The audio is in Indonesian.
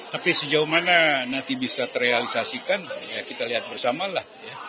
tapi sejauh mana nanti bisa terrealisasikan kita lihat bersamalah